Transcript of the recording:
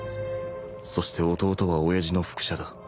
そして弟は親父の複写だ